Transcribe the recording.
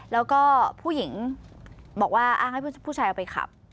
แล้วก็ผู้หญิงบอกว่าอ้างให้ผู้ชายเอาไปขับ